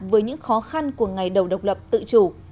với những khó khăn của ngày đầu độc lập tự chủ